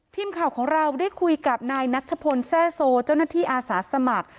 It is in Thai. ทีมข่าวของเราได้คุยกับนายนัชพลแซ่โซเจ้าหน้าที่อาสาสมัคร